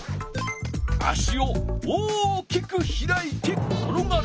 足を大きく開いてころがる。